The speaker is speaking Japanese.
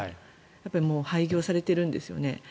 やっぱりもう廃業されてるんですよね。